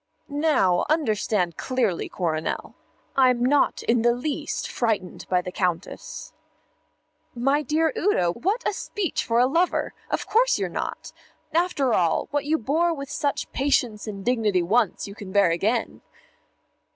"Now, understand clearly, Coronel, I'm not in the least frightened by the Countess." "My dear Udo, what a speech for a lover! Of course you're not. After all, what you bore with such patience and dignity once, you can bear again."